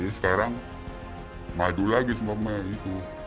iya sekarang maju lagi semua gitu